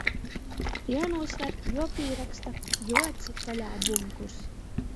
Juonūsver, juopīroksta, juoatsyt vaļā bunkurs.